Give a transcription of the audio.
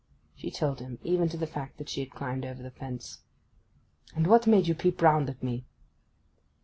She told him, even to the fact that she had climbed over the fence. 'And what made you peep round at me?